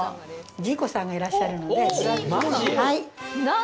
ジーコさんがいらっしゃるので。